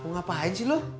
nak ngapain sih lu